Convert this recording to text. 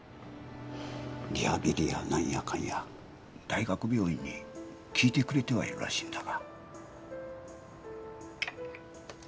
リハビリや何やかんや大学病院に聞いてくれてはいるらしいんだが。